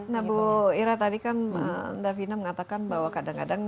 nah bu ira tadi kan davina mengatakan bahwa kadang kadang